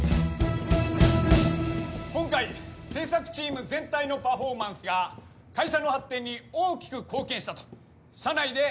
・今回制作チーム全体のパフォーマンスが会社の発展に大きく貢献したと社内で高く評価されました。